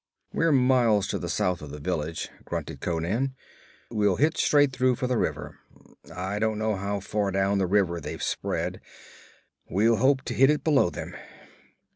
'We're miles to the south of the village,' grunted Conan. 'We'll hit straight through for the river. I don't know how far down the river they've spread. We'll hope to hit it below them.'